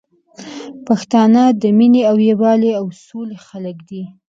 پښتانه د مينې او یوالي او سولي خلګ دي